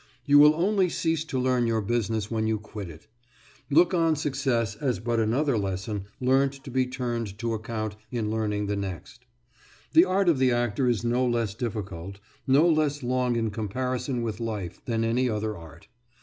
You will only cease to learn your business when you quit it; look on success as but another lesson learnt to be turned to account in learning the next. The art of the actor is no less difficult, no less long in comparison with life, than any other art.